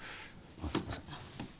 あっすいません。